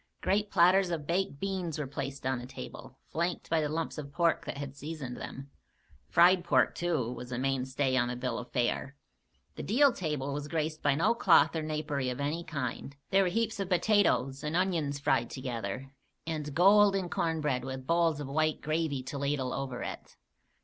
Great platters of baked beans were placed on the table, flanked by the lumps of pork that had seasoned them. Fried pork, too, was a "main stay" on the bill of fare. The deal table was graced by no cloth or napery of any kind. There were heaps of potatoes and onions fried together, and golden cornbread with bowls of white gravy to ladle over it.